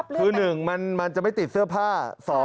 คือ๑มันจะไม่ติดเสื้อผ้า